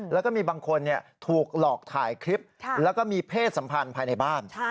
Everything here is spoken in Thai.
แล้วก็มีบางคนถูกหลอกถ่ายคลิปแล้วก็มีเพศสัมพันธ์ภายในบ้าน